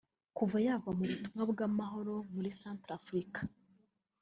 Kuva yava mu butumwa bw’amahoro muri Centrafrique